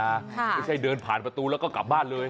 ไม่ใช่เดินผ่านประตูแล้วก็กลับบ้านเลย